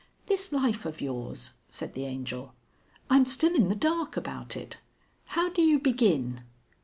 "This life of yours," said the Angel. "I'm still in the dark about it. How do you begin?"